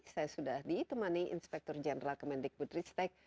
saya sudah ditemani inspektur jenderal kemendikbud ristek